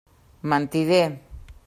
Mentider!